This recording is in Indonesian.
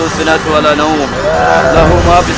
ada yang daya